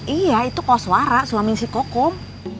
iya itu koswara suami si kokom